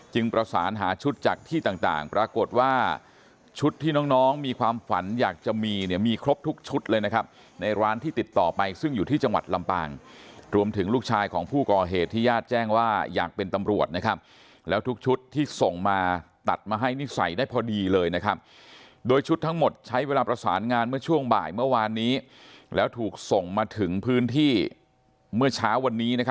จึงประสานหาชุดจากที่ต่างปรากฏว่าชุดที่น้องมีความฝันอยากจะมีเนี่ยมีครบทุกชุดเลยนะครับในร้านที่ติดต่อไปซึ่งอยู่ที่จังหวัดลำปางรวมถึงลูกชายของผู้ก่อเหตุที่ญาติแจ้งว่าอยากเป็นตำรวจนะครับแล้วทุกชุดที่ส่งมาตัดมาให้นิสัยได้พอดีเลยนะครับโดยชุดทั้งหมดใช้เวลาประสานงานเมื่อช่ว